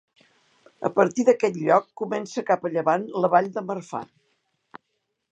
A partir d'aquest lloc comença cap a llevant la Vall de Marfà.